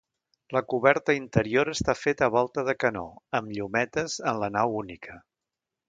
La coberta interior està feta a volta de canó, amb llunetes en la nau única.